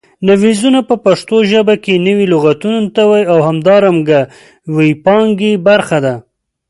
نویزونه پښتو ژبه کې نوي لغتونو ته وایي او همدا د وییپانګې برخه ده